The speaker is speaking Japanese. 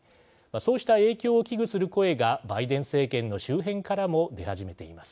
そうした影響を危惧する声がバイデン政権の周辺からも出始めています。